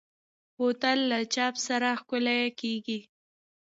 بوتل له چاپ سره ښکلي کېږي.